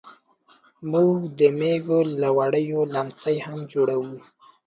موږ د مېږو له وړیو لیمڅي هم جوړوو.